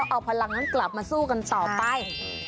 เอาพลังนั้นกลับมาสู้กันต่อไป